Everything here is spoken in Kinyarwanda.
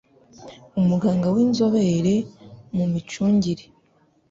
umuganga w'inzobere mu micungire